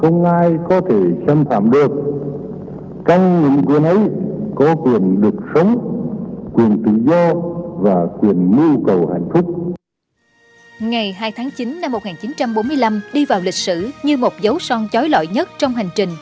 ngày hai tháng chín năm một nghìn chín trăm bốn mươi năm đi vào lịch sử như một dấu son trói lọi nhất trong hành trình